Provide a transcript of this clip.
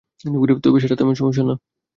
তবে সেটা তেমন সমস্যা না।